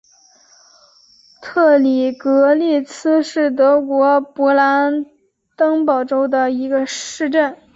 特里格利茨是德国勃兰登堡州的一个市镇。